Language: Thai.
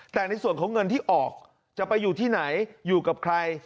แต่ในส่วนของเงินที่ออกจะไปอยู่ที่ไหนอยู่กับใคร